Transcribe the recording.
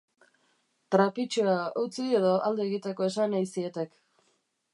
Trapitxeoa utzi edo alde egiteko esan ei zietek.